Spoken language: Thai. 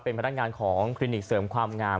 เป็นพนักงานของคลินิกเสริมความงาม